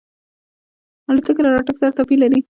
الوتکه له راکټ سره توپیر لري.